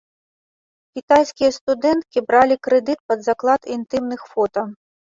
Кітайскія студэнткі бралі крэдыт пад заклад інтымных фота.